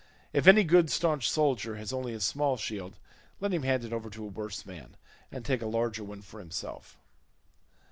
If any good staunch soldier has only a small shield, let him hand it over to a worse man, and take a larger one for himself."